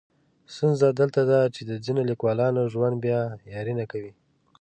ستونزه دلته ده چې د ځینو لیکولانو ژوند بیا یاري نه کوي.